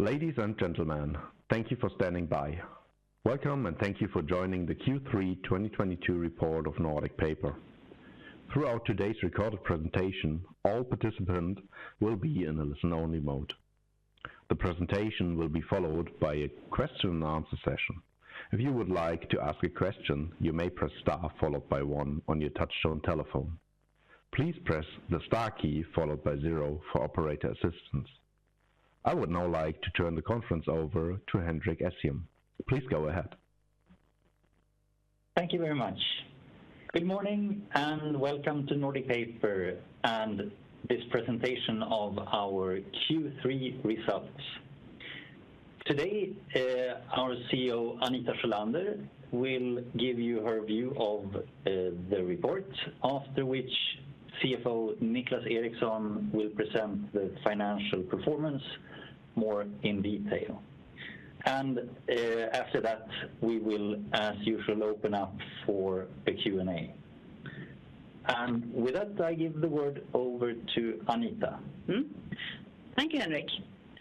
Ladies and gentlemen, thank you for standing by. Welcome, and thank you for joining the Q3 2022 report of Nordic Paper. Throughout today's recorded presentation, all participants will be in a listen only mode. The presentation will be followed by a question and answer session. If you would like to ask a question, you may press star followed by one on your touchtone telephone. Please press the star key followed by zero for operator assistance. I would now like to turn the conference over to Henrik Essén. Please go ahead. Thank you very much. Good morning, and welcome to Nordic Paper and this presentation of our Q3 results. Today, our CEO, Anita Sjölander, will give you her view of the report, after which CFO Niclas Eriksson will present the financial performance more in detail. After that, we will, as usual, open up for a Q&A. With that, I give the word over to Anita. Thank you, Henrik.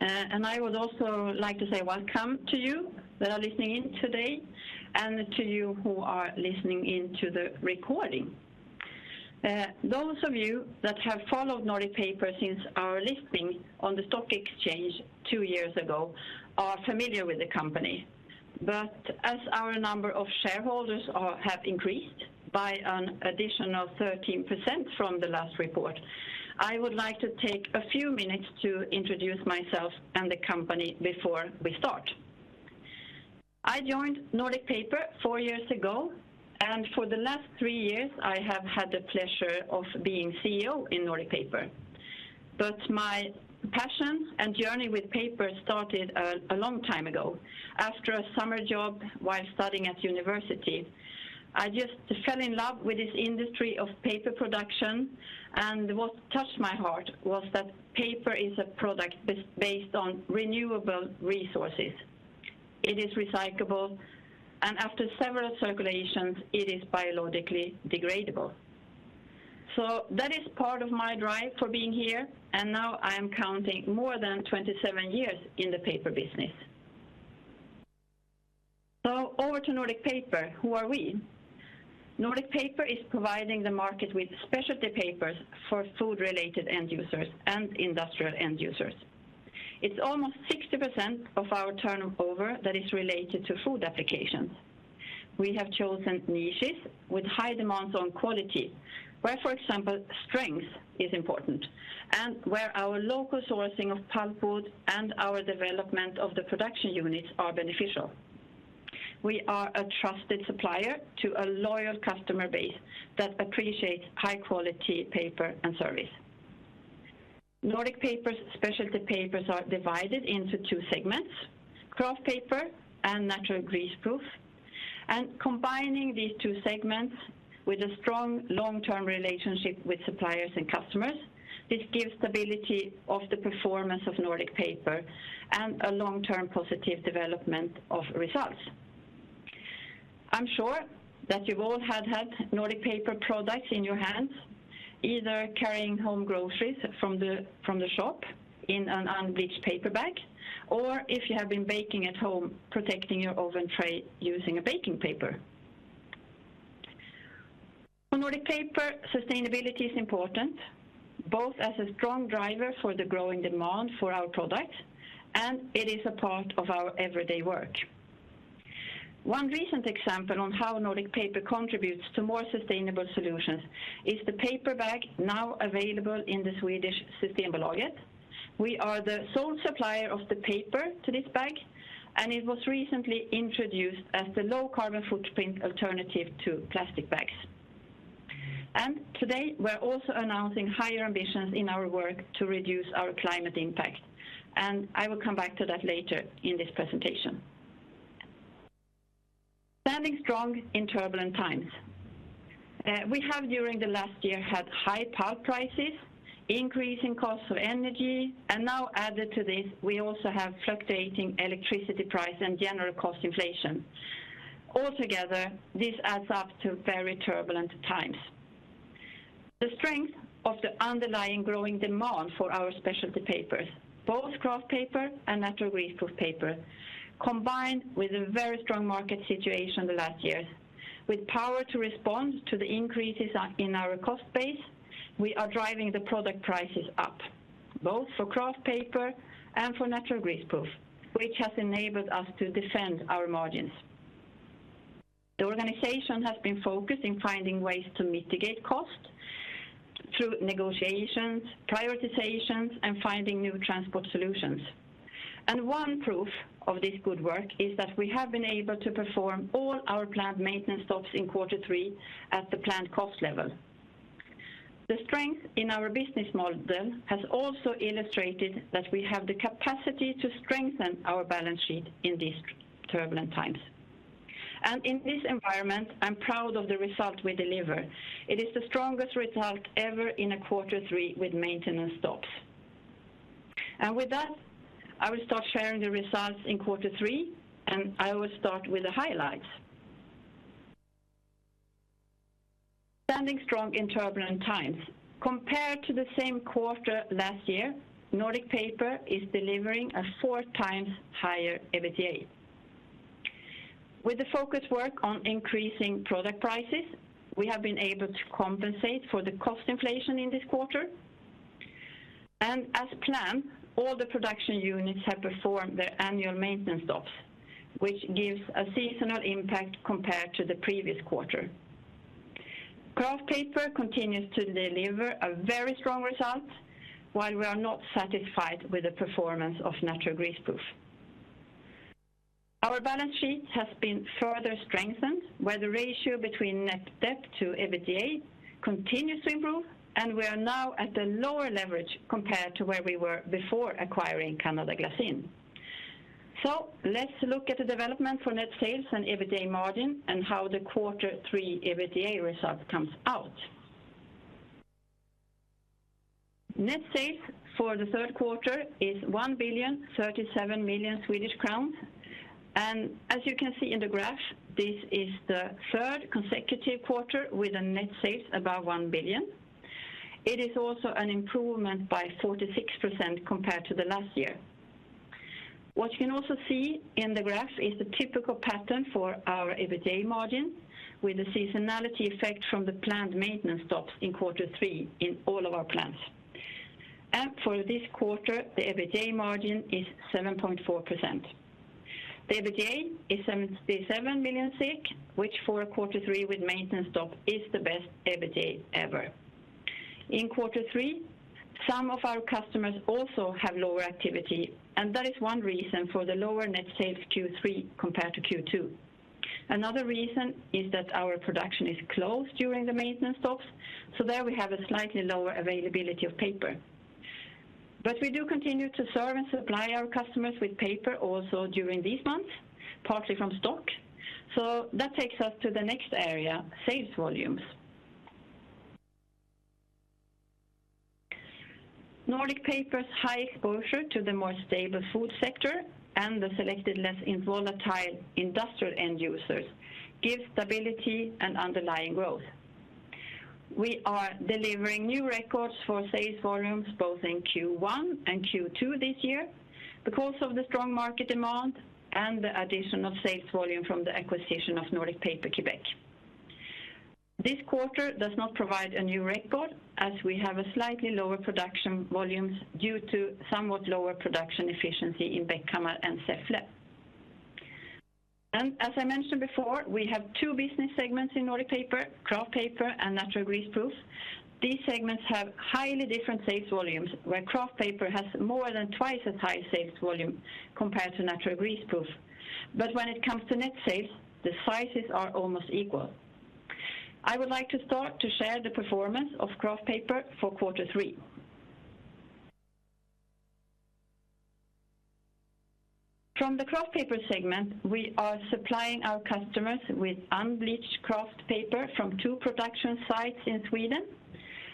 And I would also like to say welcome to you that are listening in today and to you who are listening in to the recording. Those of you that have followed Nordic Paper since our listing on the stock exchange two years ago are familiar with the company. As our number of shareholders have increased by an additional 13% from the last report, I would like to take a few minutes to introduce myself and the company before we start. I joined Nordic Paper four years ago, and for the last three years, I have had the pleasure of being CEO in Nordic Paper. My passion and journey with paper started a long time ago after a summer job while studying at university. I just fell in love with this industry of paper production, and what touched my heart was that paper is a product based on renewable resources. It is recyclable, and after several circulations, it is biologically degradable. That is part of my drive for being here, and now I am counting more than 27 years in the paper business. Over to Nordic Paper. Who are we? Nordic Paper is providing the market with specialty papers for food related end users and industrial end users. It's almost 60% of our turnover that is related to food applications. We have chosen niches with high demands on quality, where, for example, strength is important and where our local sourcing of pulpwood and our development of the production units are beneficial. We are a trusted supplier to a loyal customer base that appreciates high quality paper and service. Nordic Paper's specialty papers are divided into two segments: kraft paper and natural greaseproof. Combining these two segments with a strong long-term relationship with suppliers and customers, this gives stability of the performance of Nordic Paper and a long-term positive development of results. I'm sure that you've all had Nordic Paper products in your hands, either carrying home groceries from the shop in an unbleached paper bag or if you have been baking at home, protecting your oven tray using a baking paper. For Nordic Paper, sustainability is important, both as a strong driver for the growing demand for our products, and it is a part of our everyday work. One recent example on how Nordic Paper contributes to more sustainable solutions is the paper bag now available in the Swedish Systembolaget. We are the sole supplier of the paper to this bag, and it was recently introduced as the low carbon footprint alternative to plastic bags. Today, we're also announcing higher ambitions in our work to reduce our climate impact, and I will come back to that later in this presentation. Standing strong in turbulent times. We have during the last year had high pulp prices, increase in cost of energy, and now added to this, we also have fluctuating electricity price and general cost inflation. Altogether, this adds up to very turbulent times. The strength of the underlying growing demand for our specialty papers, both Kraft paper and natural greaseproof paper, combined with a very strong market situation the last years. With power to respond to the increases in our cost base, we are driving the product prices up, both for Kraft paper and for Natural Greaseproof, which has enabled us to defend our margins. The organization has been focused on finding ways to mitigate costs through negotiations, prioritizations, and finding new transport solutions. One proof of this good work is that we have been able to perform all our plant maintenance stops in quarter three at the plant cost level. The strength in our business model has also illustrated that we have the capacity to strengthen our balance sheet in these turbulent times. In this environment, I'm proud of the result we deliver. It is the strongest result ever in a quarter three with maintenance stops. With that, I will start sharing the results in quarter three, and I will start with the highlights. Standing strong in turbulent times. Compared to the same quarter last year, Nordic Paper is delivering a four times higher EBITDA. With the focus work on increasing product prices, we have been able to compensate for the cost inflation in this quarter. As planned, all the production units have performed their annual maintenance stops, which gives a seasonal impact compared to the previous quarter. Kraft paper continues to deliver a very strong result, while we are not satisfied with the performance of Natural Greaseproof. Our balance sheet has been further strengthened, where the ratio between Net Debt to EBITDA continues to improve, and we are now at a lower leverage compared to where we were before acquiring Canada Glassine. Let's look at the development for net sales and EBITDA margin and how the quarter three EBITDA result comes out. Net sales for the third quarter is 1,037 million Swedish crowns. As you can see in the graph, this is the third consecutive quarter with a net sales above 1 billion. It is also an improvement by 46% compared to the last year. What you can also see in the graph is the typical pattern for our EBITDA margin with the seasonality effect from the planned maintenance stops in quarter three in all of our plants. For this quarter, the EBITDA margin is 7.4%. The EBITDA is 77 million, which for a quarter three with maintenance stop is the best EBITDA ever. In quarter three, some of our customers also have lower activity, and that is one reason for the lower net sales Q3 compared to Q2. Another reason is that our production is closed during the maintenance stops, so there we have a slightly lower availability of paper. We do continue to serve and supply our customers with paper also during these months, partly from stock. That takes us to the next area, sales volumes. Nordic Paper's high exposure to the more stable food sector and the selected less volatile industrial end users gives stability and underlying growth. We are delivering new records for sales volumes both in Q1 and Q2 this year because of the strong market demand and the addition of sales volume from the acquisition of Nordic Paper Québec. This quarter does not provide a new record as we have a slightly lower production volumes due to somewhat lower production efficiency in Bäckhammar and Säffle. As I mentioned before, we have two business segments in Nordic Paper, Kraft paper and Natural Greaseproof. These segments have highly different sales volumes, where Kraft paper has more than twice as high sales volume compared to Natural Greaseproof. When it comes to net sales, the sizes are almost equal. I would like to start to share the performance of Kraft paper for quarter three. From the Kraft paper segment, we are supplying our customers with unbleached Kraft paper from two production sites in Sweden,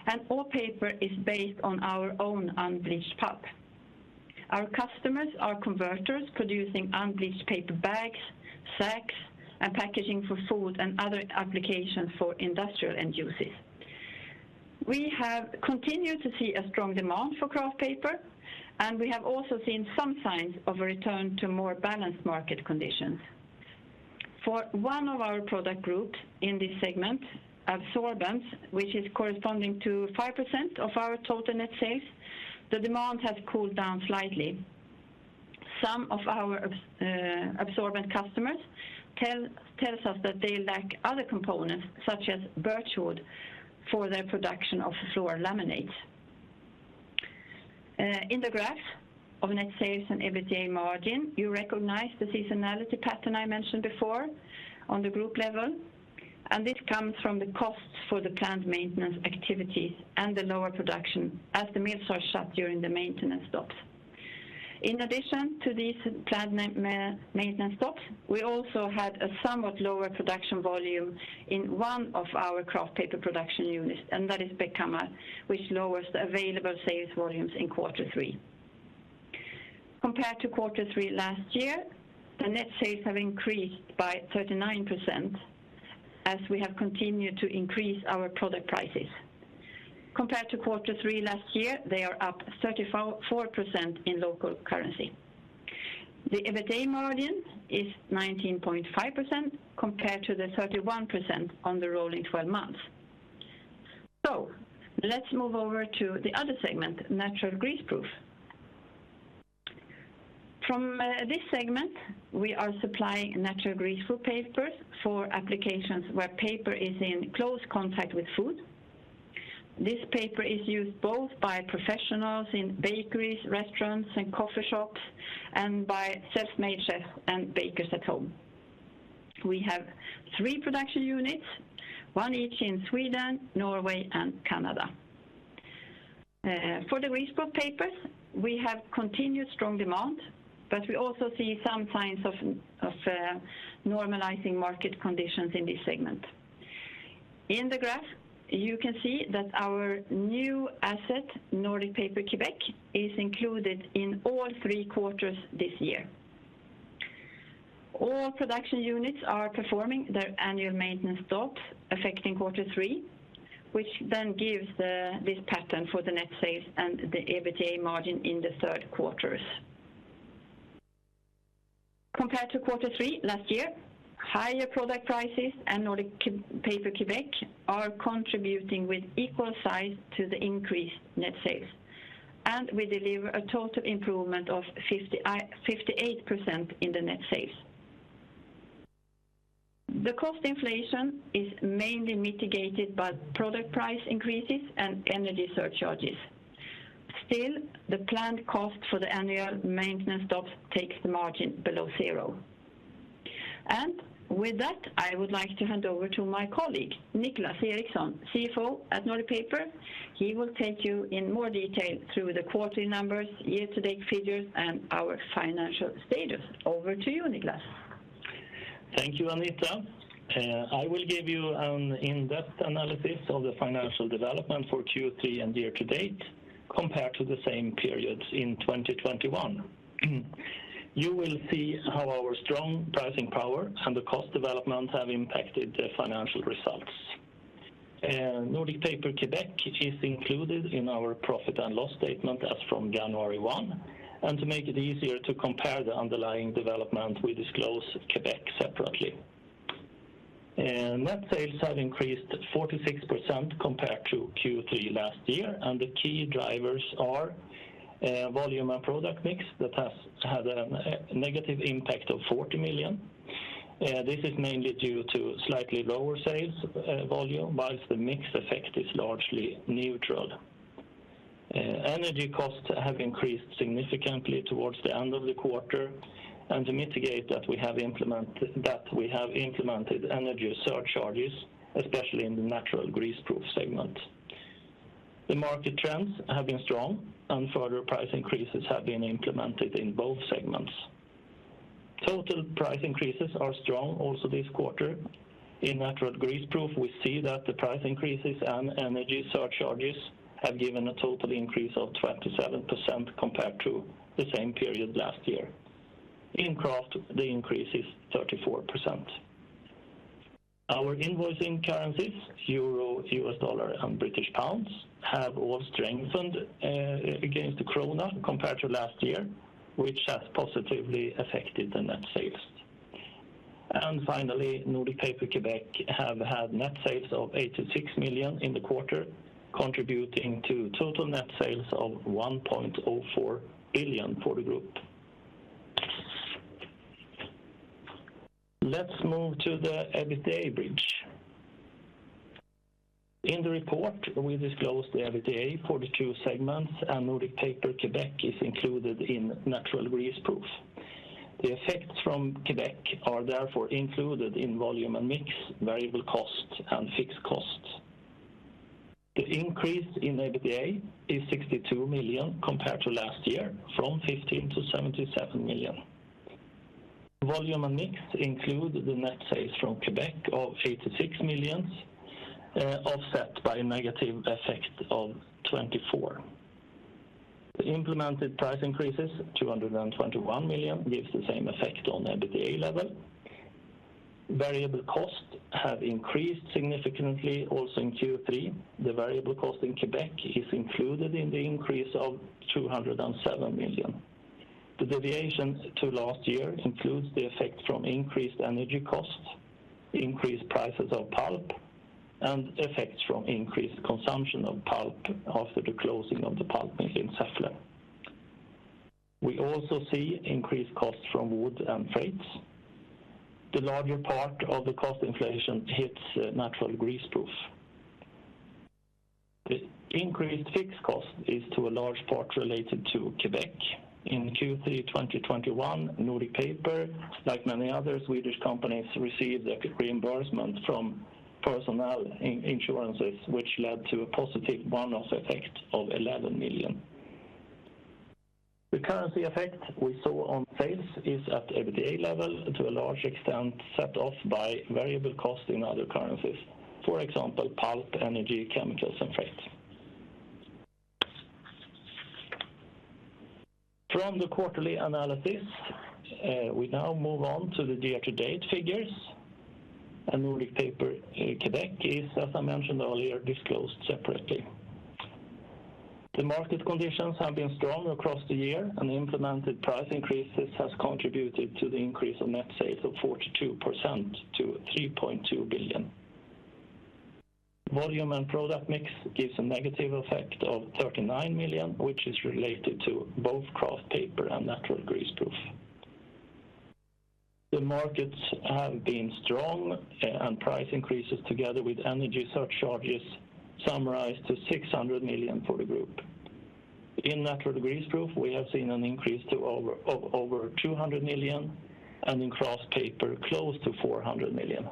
and all paper is based on our own unbleached pulp. Our customers are converters producing unbleached paper bags, sacks, and packaging for food and other applications for industrial end uses. We have continued to see a strong demand for Kraft paper, and we have also seen some signs of a return to more balanced market conditions. For one of our product groups in this segment, absorbents, which is corresponding to 5% of our total net sales, the demand has cooled down slightly. Some of our absorbent customers tell us that they lack other components, such as birchwood, for their production of floor laminates. In the graph of net sales and EBITDA margin, you recognize the seasonality pattern I mentioned before on the group level, and this comes from the costs for the planned maintenance activities and the lower production as the mills are shut during the maintenance stops. In addition to these planned maintenance stops, we also had a somewhat lower production volume in one of our Kraft paper production units, and that is Bäckhammar, which lowers the available sales volumes in quarter three. Compared to quarter three last year, the net sales have increased by 39% as we have continued to increase our product prices. Compared to quarter three last year, they are up 34% in local currency. The EBITDA margin is 19.5% compared to the 31% on the rolling twelve months. Let's move over to the other segment, Natural Greaseproof. From this segment, we are supplying Natural Greaseproof papers for applications where paper is in close contact with food. This paper is used both by professionals in bakeries, restaurants, and coffee shops and by self-makers and bakers at home. We have three production units, one each in Sweden, Norway, and Canada. For the Greaseproof papers, we have continued strong demand, but we also see some signs of normalizing market conditions in this segment. In the graph, you can see that our new asset, Nordic Paper Québec, is included in all three quarters this year. All production units are performing their annual maintenance stops affecting quarter three, which then gives this pattern for the net sales and the EBITDA margin in the third quarters. Compared to quarter three last year, higher product prices and Nordic Paper Québec are contributing with equal size to the increased net sales. We deliver a total improvement of 58% in the net sales. The cost inflation is mainly mitigated by product price increases and energy surcharges. Still, the planned cost for the annual maintenance stops takes the margin below zero. With that, I would like to hand over to my colleague, Niclas Eriksson, CFO at Nordic Paper. He will take you in more detail through the quarterly numbers, year-to-date figures, and our financial status. Over to you, Niclas. Thank you, Anita. I will give you an in-depth analysis of the financial development for Q3 and year to date compared to the same periods in 2021. You will see how our strong pricing power and the cost development have impacted the financial results. Nordic Paper Québec is included in our profit and loss statement as from January 1, and to make it easier to compare the underlying development, we disclose Québec separately. Net sales have increased 46% compared to Q3 last year, and the key drivers are volume and product mix that has had a negative impact of 40 million. This is mainly due to slightly lower sales volume, while the mix effect is largely neutral. Energy costs have increased significantly towards the end of the quarter, and to mitigate that, we have implemented energy surcharges, especially in the Natural Greaseproof segment. The market trends have been strong and further price increases have been implemented in both segments. Total price increases are strong also this quarter. In Natural Greaseproof, we see that the price increases and energy surcharges have given a total increase of 27% compared to the same period last year. In Kraft, the increase is 34%. Our invoicing currencies, Euro, US dollar, and British pounds, have all strengthened against the krona compared to last year, which has positively affected the net sales. Finally, Nordic Paper Québec have had net sales of 86 million in the quarter, contributing to total net sales of 1.04 billion for the group. Let's move to the EBITDA bridge. In the report, we disclose the EBITDA for the two segments, and Nordic Paper Québec is included in Natural Greaseproof. The effects from Québec are therefore included in volume and mix, variable costs and fixed costs. The increase in EBITDA is 62 million compared to last year from 15 million to 77 million. Volume and mix include the net sales from Québec of 86 million, offset by a negative effect of 24 million. The implemented price increases, 221 million, gives the same effect on EBITDA level. Variable costs have increased significantly also in Q3. The variable cost in Québec is included in the increase of 207 million. The deviations to last year includes the effect from increased energy costs, increased prices of pulp, and effects from increased consumption of pulp after the closing of the pulp mill in Säffle. We also see increased costs from wood and freights. The larger part of the cost inflation hits Natural Greaseproof. The increased fixed cost is to a large part related to Québec. In Q3 2021, Nordic Paper, like many other Swedish companies, received a reimbursement from personnel insurances which led to a positive bonus effect of 11 million. The currency effect we saw on sales is at EBITDA level to a large extent set off by variable cost in other currencies. For example, pulp, energy, chemicals, and freight. From the quarterly analysis, we now move on to the year to date figures, and Nordic Paper Québec is, as I mentioned earlier, disclosed separately. The market conditions have been strong across the year, and the implemented price increases has contributed to the increase of net sales of 42% to 3.2 billion. Volume and product mix gives a negative effect of 39 million, which is related to both Kraft paper and Natural Greaseproof. The markets have been strong and price increases together with energy surcharges summarized to 600 million for the group. In Natural Greaseproof, we have seen an increase of over 200 million, and in Kraft paper, close to 400 million.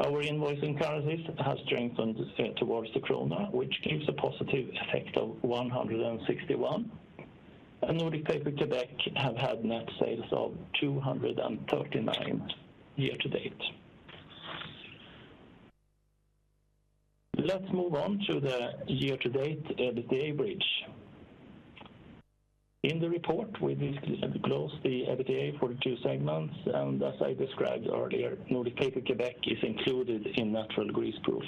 Our invoicing currencies has strengthened towards the krona, which gives a positive effect of 161. Nordic Paper Québec have had net sales of 239 year to date. Let's move on to the year-to-date EBITDA bridge. In the report, we disclose the EBITDA for the two segments, and as I described earlier, Nordic Paper Québec is included in Natural Greaseproof.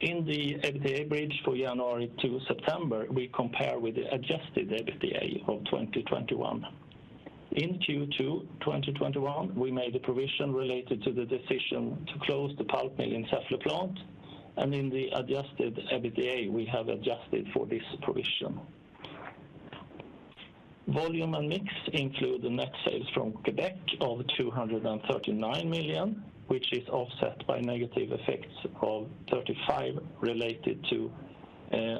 In the EBITDA bridge for January to September, we compare with the adjusted EBITDA of 2021. In Q2 2021, we made a provision related to the decision to close the pulp mill in Säffle plant, and in the adjusted EBITDA, we have adjusted for this provision. Volume and mix include the net sales from Québec of 239 million, which is offset by negative effects of 35 related to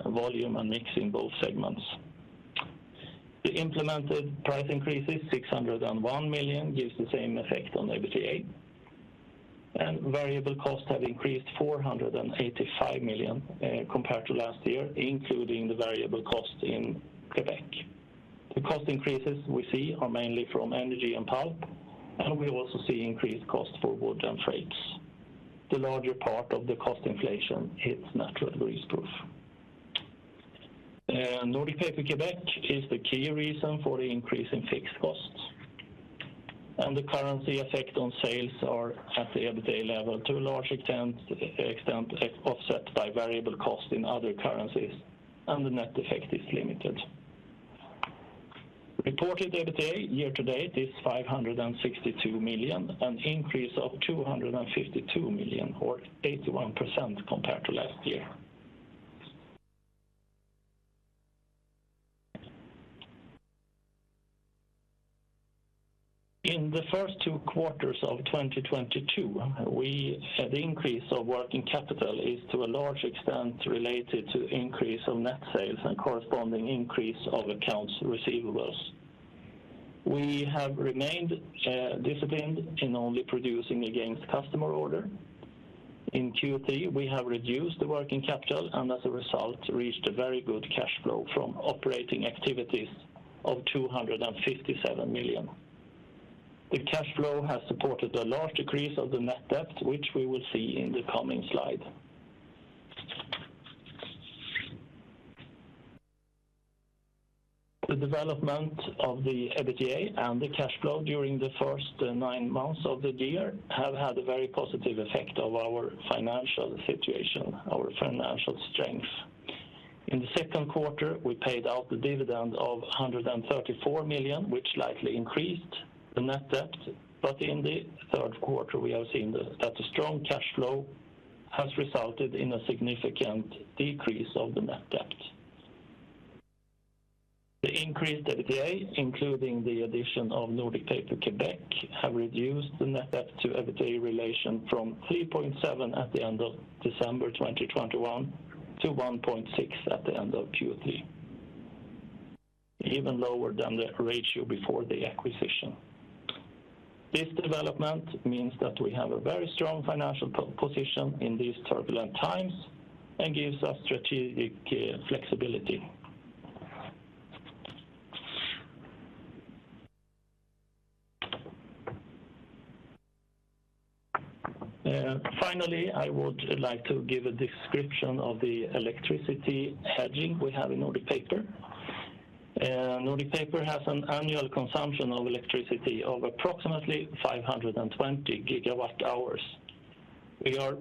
volume and mix in both segments. The implemented price increases, 601 million, gives the same effect on EBITDA. Variable costs have increased 485 million compared to last year, including the variable cost in Québec. The cost increases we see are mainly from energy and pulp, and we also see increased cost for wood and freights. The larger part of the cost inflation hits Natural Greaseproof. Nordic Paper Québec is the key reason for the increase in fixed costs. The currency effect on sales are at the EBITDA level to a large extent offset by variable costs in other currencies, and the net effect is limited. Reported EBITDA year-to-date is 562 million, an increase of 252 million, or 81% compared to last year. In the first two quarters of 2022, the increase of working capital is to a large extent related to increase of net sales and corresponding increase of accounts receivables. We have remained disciplined in only producing against customer order. In Q3, we have reduced the working capital and, as a result, reached a very good cash flow from operating activities of 257 million. The cash flow has supported a large decrease of the net debt, which we will see in the coming slide. The development of the EBITDA and the cash flow during the first nine months of the year have had a very positive effect on our financial situation, our financial strength. In the second quarter, we paid out the dividend of 134 million, which likely increased the net debt. In the third quarter, we have seen that the strong cash flow has resulted in a significant decrease of the net debt. The increased EBITDA, including the addition of Nordic Paper Québec, have reduced the net debt to EBITDA ratio from 3.7 at the end of December 2021 to 1.6 at the end of Q3, even lower than the ratio before the acquisition. This development means that we have a very strong financial position in these turbulent times and gives us strategic flexibility. Finally, I would like to give a description of the electricity hedging we have in Nordic Paper. Nordic Paper has an annual consumption of electricity of approximately 520 gigawatt-hours. We are a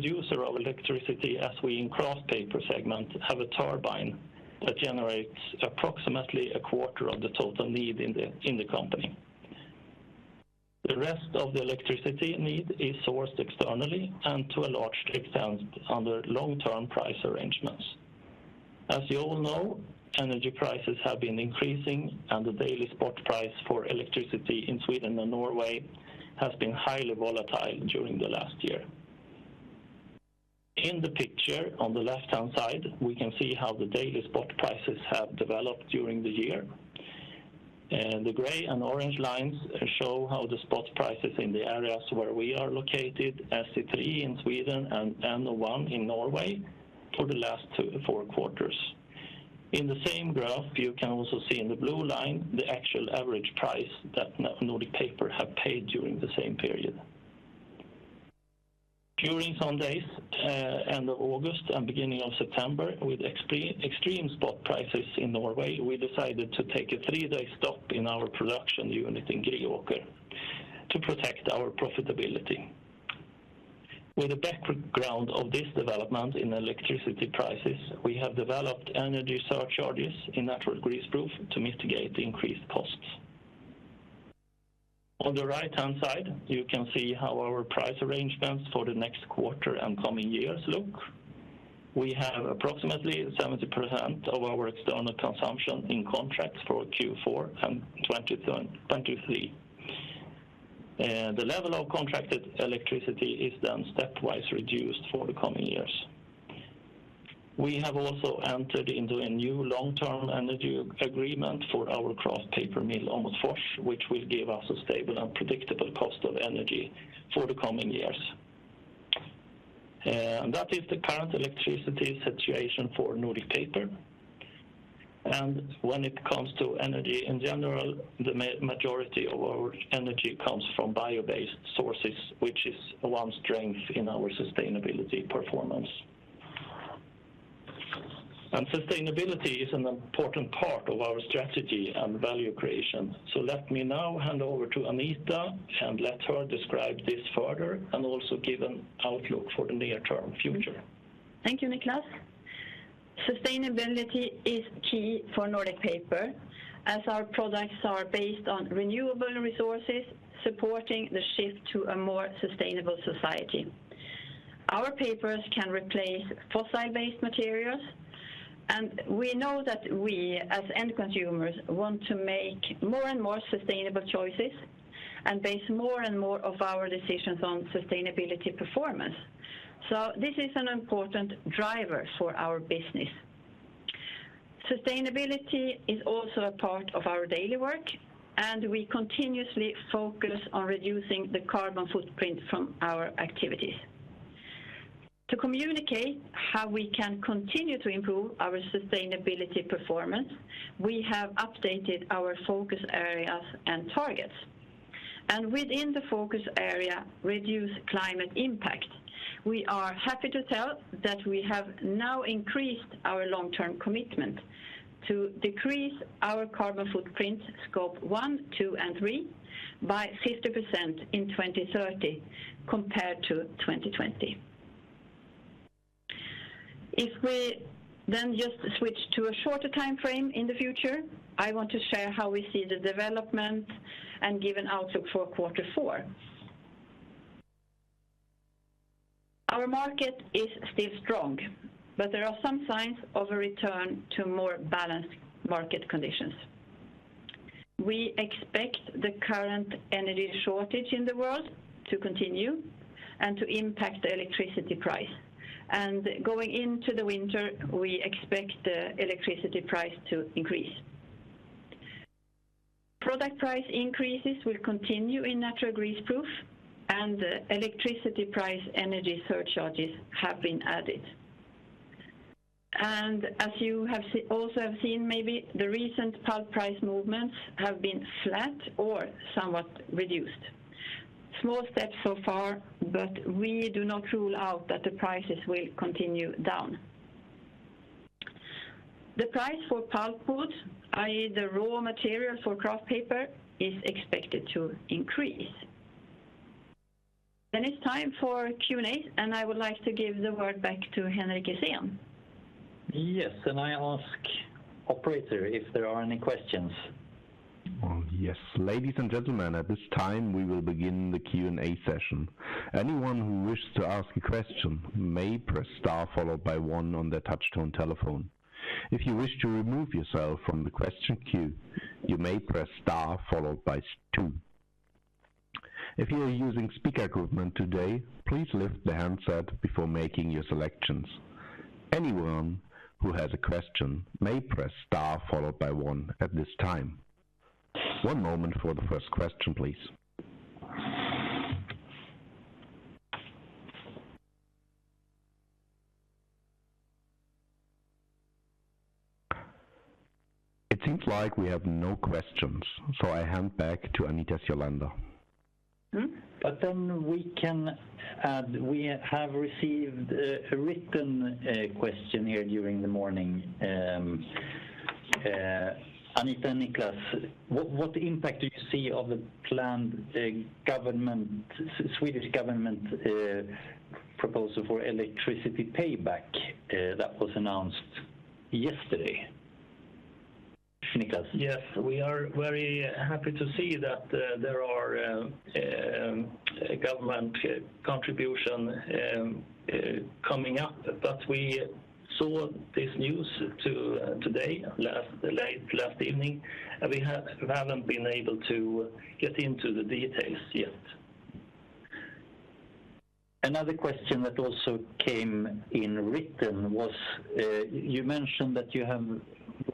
producer of electricity, as we in Kraft Paper segment have a turbine that generates approximately a quarter of the total need in the company. The rest of the electricity need is sourced externally and to a large extent under long-term price arrangements. As you all know, energy prices have been increasing, and the daily spot price for electricity in Sweden and Norway has been highly volatile during the last year. In the picture on the left-hand side, we can see how the daily spot prices have developed during the year. The gray and orange lines show how the spot prices in the areas where we are located, SE3 in Sweden and NO1 in Norway, for the last four quarters. In the same graph, you can also see in the blue line the actual average price that Nordic Paper have paid during the same period. During some days, end of August and beginning of September, with extreme spot prices in Norway, we decided to take a three-day stop in our production unit in Greåker to protect our profitability. With the background of this development in electricity prices, we have developed energy surcharges in Natural Greaseproof to mitigate the increased costs. On the right-hand side, you can see how our price arrangements for the next quarter and coming years look. We have approximately 70% of our external consumption in contracts for Q4 and 2023. The level of contracted electricity is then stepwise reduced for the coming years. We have also entered into a new long-term energy agreement for our Kraft Paper mill, Åmotfors, which will give us a stable and predictable cost of energy for the coming years. That is the current electricity situation for Nordic Paper. When it comes to energy in general, the majority of our energy comes from bio-based sources, which is one strength in our sustainability performance. Sustainability is an important part of our strategy and value creation. Let me now hand over to Anita, and let her describe this further and also give an outlook for the near-term future. Thank you, Niclas. Sustainability is key for Nordic Paper, as our products are based on renewable resources, supporting the shift to a more sustainable society. Our papers can replace fossil-based materials, and we know that we as end consumers want to make more and more sustainable choices and base more and more of our decisions on sustainability performance. So this is an important driver for our business. Sustainability is also a part of our daily work, and we continuously focus on reducing the carbon footprint from our activities. To communicate how we can continue to improve our sustainability performance, we have updated our focus areas and targets. Within the focus area Reduce Climate Impact, we are happy to tell that we have now increased our long-term commitment to decrease our carbon footprint, Scope one, two and three, by 50% in 2030 compared to 2020. If we then just switch to a shorter timeframe in the future, I want to share how we see the development and give an outlook for quarter four. Our market is still strong, but there are some signs of a return to more balanced market conditions. We expect the current energy shortage in the world to continue and to impact the electricity price. Going into the winter, we expect the electricity price to increase. Product price increases will continue in Natural Greaseproof, and electricity price energy surcharges have been added. As you have also seen maybe, the recent pulp price movements have been flat or somewhat reduced. Small steps so far, but we do not rule out that the prices will continue down. The price for pulpwood, i.e., the raw material for Kraft paper, is expected to increase. It's time for Q&A, and I would like to give the word back to Henrik Essén. Yes, I ask operator if there are any questions. Well, yes. Ladies and gentlemen, at this time, we will begin the Q&A session. Anyone who wishes to ask a question may press star followed by one on their touch-tone telephone. If you wish to remove yourself from the question queue, you may press star followed by two. If you are using speaker equipment today, please lift the handset before making your selections. Anyone who has a question may press star followed by one at this time. One moment for the first question, please. It seems like we have no questions, so I hand back to Anita Sjölander. Mm-hmm. We can add, we have received a written question here during the morning: Anita, Niclas, what impact do you see of the planned Swedish government proposal for electricity payback that was announced yesterday? Niclas. Yes. We are very happy to see that there are government contribution coming up, but we saw this news today, late last evening, and we haven't been able to get into the details yet. Another question that also came in written was,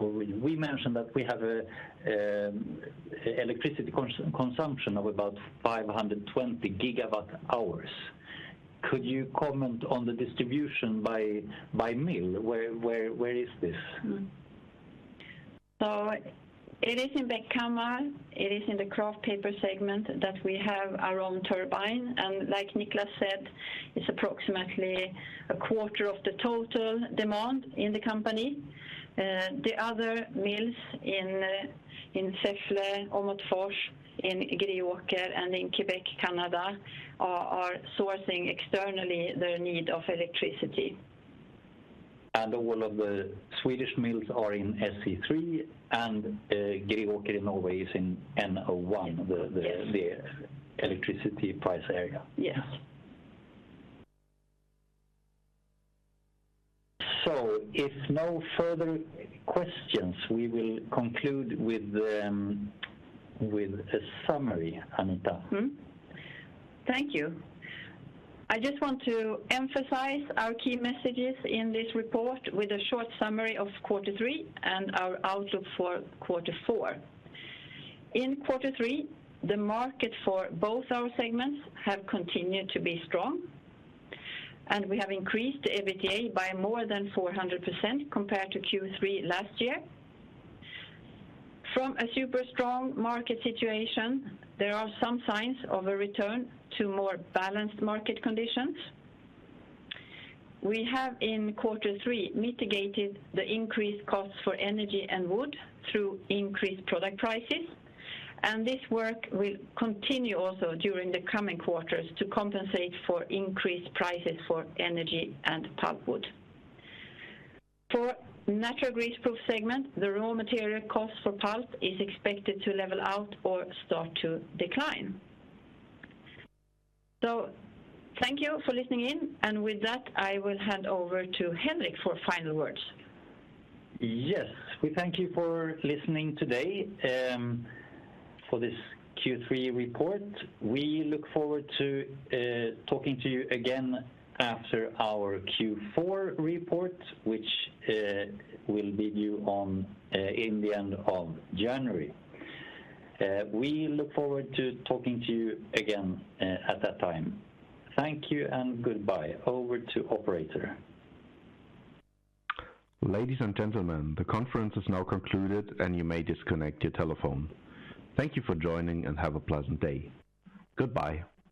we mentioned that we have a electricity consumption of about 520 gigawatt-hours. Could you comment on the distribution by mill? Where is this? Mm-hmm. It is in Bäckhammar, it is in the Kraft paper segment that we have our own turbine. Like Niklas said, it's approximately a quarter of the total demand in the company. The other mills in Säffle, Åmotfors, in Greåker, and in Québec, Canada, are sourcing externally their need of electricity. All of the Swedish mills are in SE3, and Greåker in Norway is in NO1. Yes ...the electricity price area. Yes. If no further questions, we will conclude with a summary, Anita. Thank you. I just want to emphasize our key messages in this report with a short summary of quarter three and our outlook for quarter four. In quarter three, the market for both our segments have continued to be strong, and we have increased the EBITDA by more than 400% compared to Q3 last year. From a super strong market situation, there are some signs of a return to more balanced market conditions. We have, in quarter three, mitigated the increased costs for energy and wood through increased product prices, and this work will continue also during the coming quarters to compensate for increased prices for energy and pulpwood. For Natural Greaseproof segment, the raw material cost for pulp is expected to level out or start to decline. Thank you for listening in, and with that, I will hand over to Henrik for final words. Yes. We thank you for listening today for this Q3 report. We look forward to talking to you again after our Q4 report, which will be due on in the end of January. We look forward to talking to you again at that time. Thank you and goodbye. Over to operator. Ladies and gentlemen, the conference is now concluded, and you may disconnect your telephone. Thank you for joining, and have a pleasant day. Goodbye.